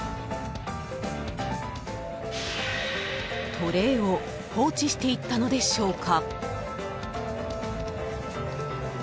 ［トレーを放置していったのでしょうか？］